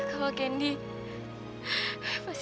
aku gak bisa jadi apa apa